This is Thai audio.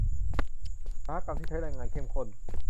อุตสาหกรรมที่ใช้แรงงานเข้มข้น